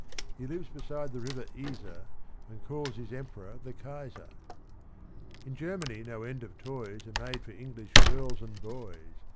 He lives beside the river Iser, And calls his emperor the Kaiser. In Germany, no end of toys Are made for English girls and boys.